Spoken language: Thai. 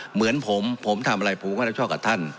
เหมือนผมผมทำอะไรผมก็รับชอบกับท่าน